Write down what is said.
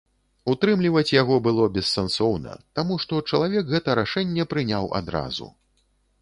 Утрымліваць яго было бессэнсоўна, таму што чалавек гэта рашэнне прыняў адразу.